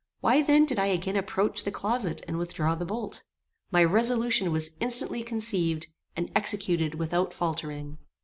Why then did I again approach the closet and withdraw the bolt? My resolution was instantly conceived, and executed without faultering.